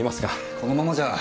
このままじゃあ